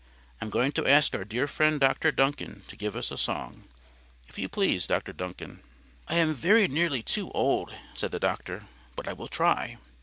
I am going to ask our dear friend Dr. Duncan to give us a song.—If you please, Dr. Duncan." "I am very nearly too old," said the doctor; "but I will try."